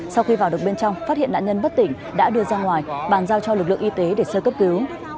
sau khi vào được bên trong phát hiện nạn nhân bất tỉnh đã đưa ra ngoài bàn giao cho lực lượng y tế để sơ cấp cứu